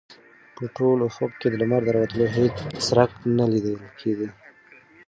په ټول افق کې د لمر د راوتلو هېڅ څرک نه لګېده.